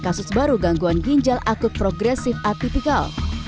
kasus baru gangguan ginjal akut progresif atipikal